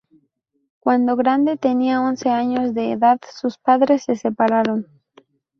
Cuando Grande tenía once años de edad, sus padres se separaron.